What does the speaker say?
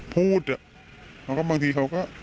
พูดแล้วก็บางทีเขาก็